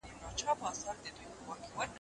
پاچا مخكي ورپسې سل نوكران وه